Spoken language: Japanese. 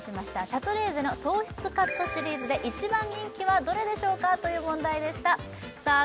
シャトレーゼの糖質カットシリーズで一番人気はどれでしょうかという問題でしたさあ